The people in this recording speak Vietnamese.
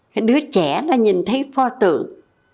cái đứa trẻ nó nhìn thấy pho tượng